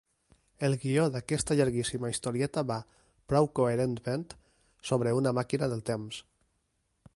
El guió d'aquesta llarguíssima historieta va, prou coherentment, sobre una màquina del temps.